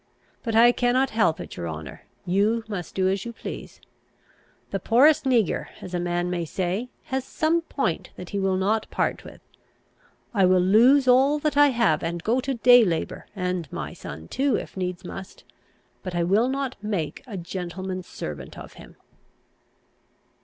But I cannot help it, your honour: you must do as you please. The poorest neger, as a man may say, has some point that he will not part with. I will lose all that I have, and go to day labour, and my son too, if needs must; but I will not make a gentleman's servant of him."